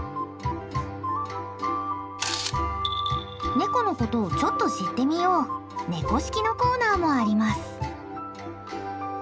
ネコのことをちょっと知ってみよう「猫識」のコーナーもあります。